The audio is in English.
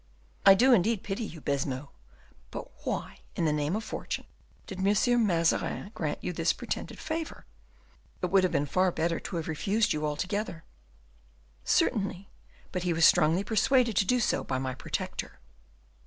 "I do indeed pity you, Baisemeaux. But why, in the name of fortune, did M. Mazarin grant you this pretended favor? It would have been far better to have refused you altogether." "Certainly, but he was strongly persuaded to do so by my protector."